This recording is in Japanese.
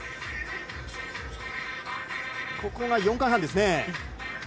ここは４回半ですね。